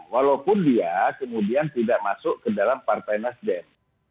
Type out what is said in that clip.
walaupun dia kemudian tidak masuk ke dalam partai nasdem